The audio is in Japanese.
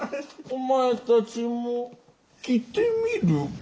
お前たちも着てみるか？